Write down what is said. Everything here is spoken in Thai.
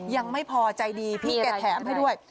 ยังไม่พอใจดีพี่แกแถมให้ด้วย